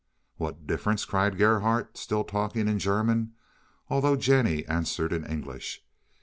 "What difference?" cried Gerhardt, still talking in German, although Jennie answered in English.